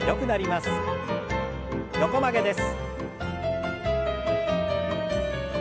横曲げです。